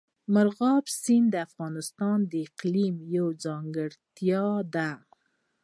مورغاب سیند د افغانستان د اقلیم یوه ځانګړتیا ده.